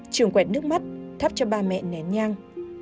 trường quẹt nước mắt thắp cho ba mẹ nén nhang